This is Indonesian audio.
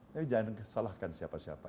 tapi jangan salahkan siapa siapa